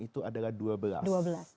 itu adalah dua belas